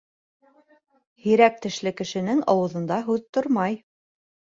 Һирәк тешле кешенең ауыҙында һүҙ тормай.